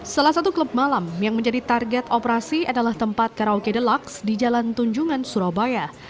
salah satu klub malam yang menjadi target operasi adalah tempat karaoke delux di jalan tunjungan surabaya